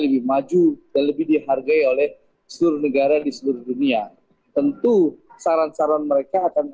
lebih maju dan lebih dihargai oleh seluruh negara di seluruh dunia tentu saran saran mereka akan